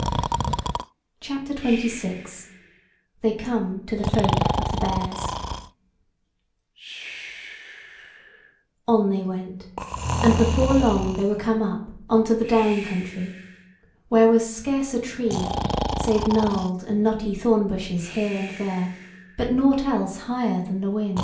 CHAPTER XXVI: THEY COME TO THE FOLK OF THE BEARS On they went, and before long they were come up on to the down country, where was scarce a tree, save gnarled and knotty thorn bushes here and there, but nought else higher than the whin.